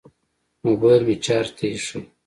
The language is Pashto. موبیل مې چارج ته ایښی